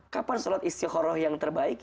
kapan sholat istiqoroh yang terbaik